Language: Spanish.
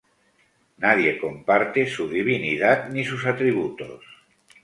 Nadie comparte su Divinidad, ni sus Atributos.